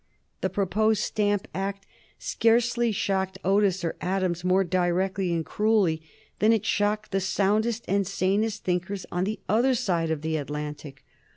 The proposed Stamp Act scarcely shocked Otis or Adams more directly and cruelly than it shocked the soundest and sanest thinkers on the other side of the Atlantic.